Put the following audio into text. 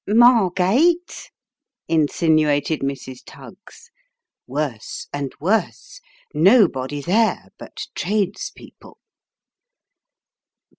" Margate ?" insinuated Mrs. Tuggs. Worse and worse nobody there, but tradespeople.